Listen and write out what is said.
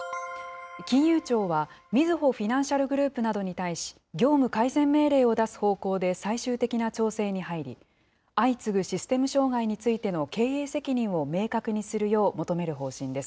金融庁は、みずほフィナンシャルグループなどに対し、業務改善命令を出す方向で最終的な調整に入り、相次ぐシステム障害についての経営責任を明確にするよう求める方針です。